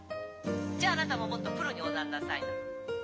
じゃああなたももっとプロにおなんなさいな。